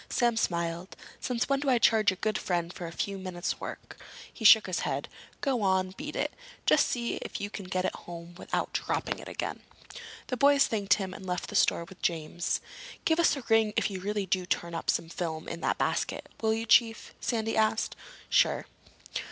Sam smiled. "Since when do I charge a good friend for a few minutes' work?" He shook his head. "Go on—beat it. Just see if you can get it home without dropping it again." The boys thanked him and left the store with James. "Give us a ring if you really do turn up some film in that basket, will you, Chief?" Sandy asked. "Sure."